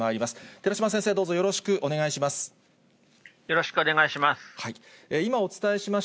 寺嶋先生、どうぞよろしくお願いよろしくお願いします。